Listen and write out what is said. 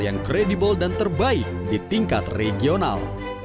yang kredibel dan terbaik di tingkat regional